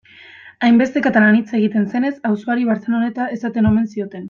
Hainbeste katalan hitz egiten zenez, auzoari Barceloneta esaten omen zioten.